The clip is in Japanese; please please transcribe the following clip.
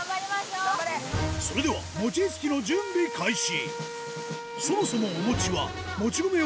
それでは餅つきの準備開始